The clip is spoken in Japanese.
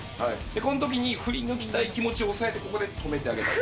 このときに振り抜きたい気持ちを抑えてここで決めてあげたい。